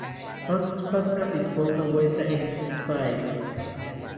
Otsipata ipokaweta intzipaete